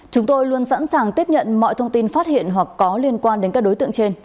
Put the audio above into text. chúng tôi luôn sẵn sàng tiếp nhận mọi thông tin phát hiện hoặc có liên quan đến các đối tượng trên